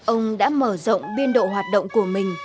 ông đã mở rộng biên độ hoạt động của mình